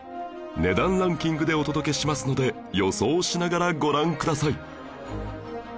値段ランキングでお届けしますので予想しながらご覧ください